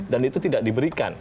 dan itu tidak diberikan